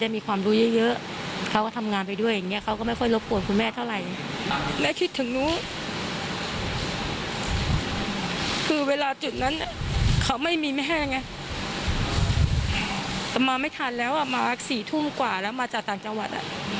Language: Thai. แต่มาไม่ทันแล้วมา๔ทุ่มกว่าแล้วมาจากต่างจังหวัด